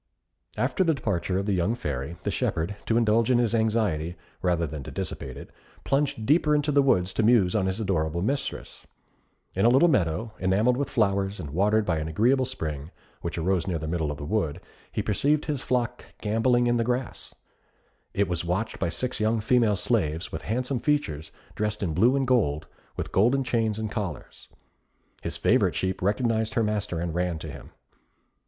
After the departure of the young Fairy, the shepherd, to indulge in his anxiety, rather than to dissipate it, plunged deeper into the woods to muse on his adorable mistress. In a little meadow, enamelled with flowers, and watered by an agreeable spring, which arose near the middle of the wood, he perceived his flock gambolling in the grass. It was watched by six young female slaves, with handsome features, dressed in blue and gold, with golden chains and collars. His favourite sheep recognised her master and ran to him.